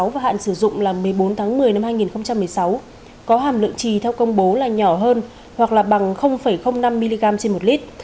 và hạn sử dụng là một mươi bốn tháng một mươi năm hai nghìn một mươi sáu có hàm lượng trì theo công bố là nhỏ hơn hoặc là bằng năm mg trên một lít